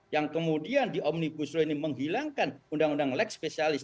yang kemudian di omnibus law ini menghilangkan undang undang leg spesialis